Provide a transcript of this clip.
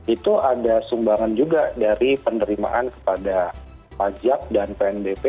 itu ada sumbangan juga dari penerimaan kepada pajak dan pnbp